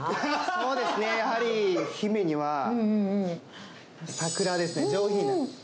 そうですね、やはり姫にはサクラですね、上品な。